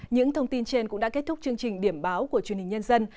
những thông tin trên cũng đã kết thúc chương trình điểm báo của truyền hình nhân dân